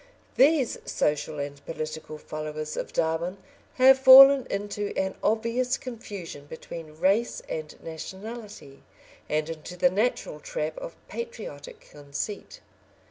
These social and political followers of Darwin have fallen into an obvious confusion between race and nationality, and into the natural trap of patriotic conceit.